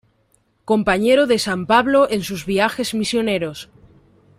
Compañero de San Pablo en sus viajes misioneros.